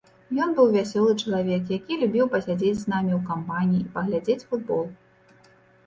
Ён быў вясёлы чалавек, які любіў пасядзець з намі ў кампаніі і паглядзець футбол.